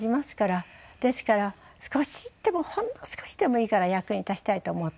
ですから少しでもほんの少しでもいいから役に立ちたいと思って。